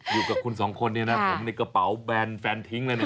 อยู่กับคุณสองคนเนี่ยนะผมในกระเป๋าแบนแฟนทิ้งแล้วเนี่ย